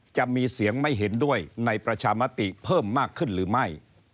จะมีเสียงไม่เห็นด้วยในประชามติเพิ่มมากขึ้นหรือไม่